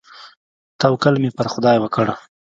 توکل مې پر خداى وکړ.